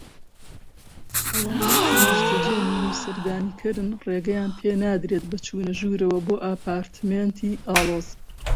ئەوانەی کە نیشتەجی نین و سەردانیکەرن ڕێگەیان پێنادرێت بە چونەژورەوە بۆ ئەپارتمێنتی ئاڵۆز